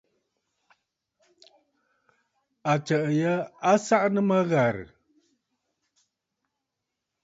Àtsə̀ʼə̀ já á sáʼánə́mə́ ghàrə̀.